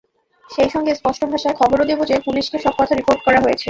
সেই সঙ্গে স্পষ্টভাষায় খবরও দেব যে, পুলিসকে সব কথা রিপোর্ট করা হয়েছে।